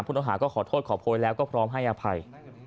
ต้องหาก็ขอโทษขอโพยแล้วก็พร้อมให้อภัย